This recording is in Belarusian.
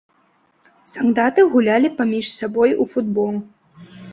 Салдаты гулялі паміж сабой у футбол.